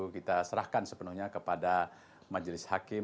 kita serahkan sepenuhnya kepada majelis hakim